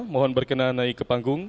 mohon berkenan naik ke panggung